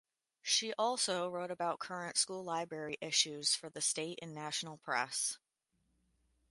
She also wrote about current school library issues for he state and national press.